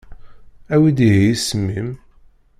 Awi-d ihi isem-im.